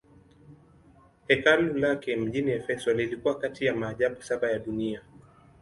Hekalu lake mjini Efeso lilikuwa kati ya maajabu saba ya dunia.